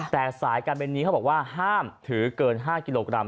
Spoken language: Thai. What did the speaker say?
แต่สายการบินนี้เขาบอกว่าห้ามถือเกิน๕กิโลกรัม